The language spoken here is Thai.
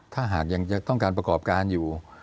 ถ้าหากยังต้องการประกอบการอยู่